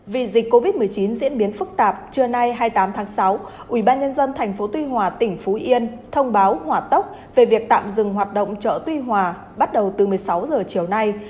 vì dịch covid một mươi chín diễn biến phức tạp trưa nay hai mươi tám tháng sáu ubnd tp tuy hòa tỉnh phú yên thông báo hỏa tốc về việc tạm dừng hoạt động chợ tuy hòa bắt đầu từ một mươi sáu h chiều nay